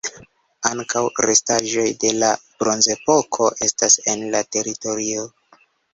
Ankaŭ restaĵoj de la Bronzepoko estas en la teritorio.